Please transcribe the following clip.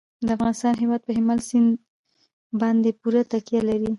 د افغانستان هیواد په هلمند سیند باندې پوره تکیه لري.